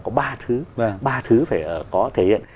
có ba thứ ba thứ phải có thể hiện